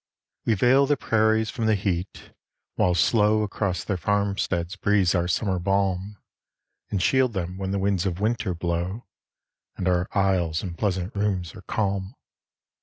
We veil the prairies from the heat, while slow Across their farmsteads breathes our Summer balm, And shield them when the winds of Winter blow, And all our aisles and pleasant rooms are calm.